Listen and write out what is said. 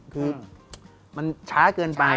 คือมันช้าเกินไป